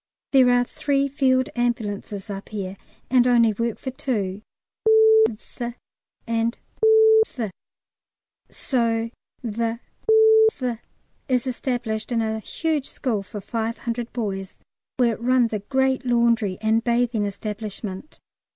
There are three field ambulances up here, and only work for two ( th and th), so the th is established in a huge school for 500 boys, where it runs a great laundry and bathing establishment.